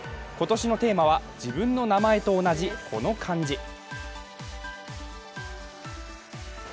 今年のテーマは、自分の名前と同じこの漢字。